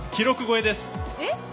えっ？